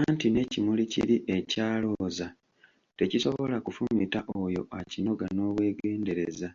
Anti n'ekimuli kiri ekya Looza tekisobola kufumita oyo akinoga n'obwegendereza!